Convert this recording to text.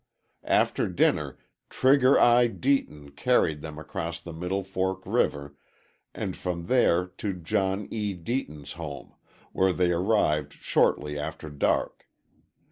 After dinner "Trigger Eye" Deaton carried them across the Middle Fork River, and from there to John E. Deaton's home, where they arrived shortly after dark.